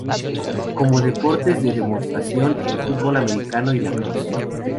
Como deportes de demostración, el fútbol americano y el Lacrosse.